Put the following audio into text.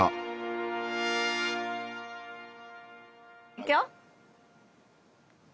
いくよ。